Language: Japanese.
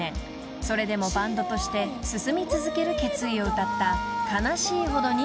［それでもバンドとして進み続ける決意を歌った］